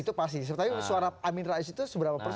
itu pasti tapi suara amin rais itu seberapa persen